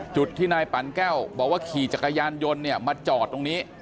จุดที่นายปั่นแก้วบอกว่าขี่จักรยานยนต์เนี่ยมาจอดตรงนี้